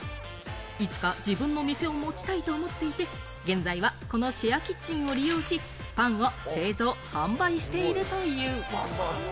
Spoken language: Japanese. いつか自分の店を持ちたいと思っていて、現在はこのシェアキッチンを利用し、パンを製造・販売しているという。